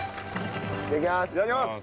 いただきます！